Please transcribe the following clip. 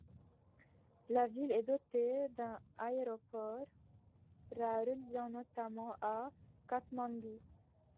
La ville est dotée d'un aéroport la reliant notamment à Katmandou.